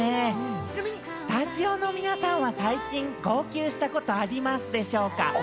ちなみにスタジオの皆さんは最近、号泣したことありますでしょうか？